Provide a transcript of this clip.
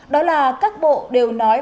đó là các bộ đều nói